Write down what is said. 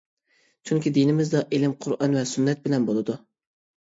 چۈنكى دىنىمىزدا ئىلىم قۇرئان ۋە سۈننەت بىلەن بولىدۇ.